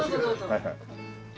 はいはい。